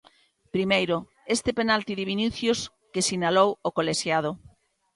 Primeiro, este penalti de Vinicius que sinalou o colexiado.